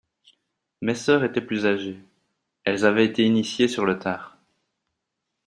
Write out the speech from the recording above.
Mes sœurs étaient plus âgées. Elles avaient été initiées sur le tard